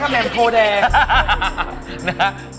ไพ่ที่เป็นรูปหัวใจเรียกว่าไพ่อะไรนะครับ